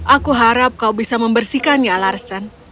aku harap kau bisa membersihkan ya larsen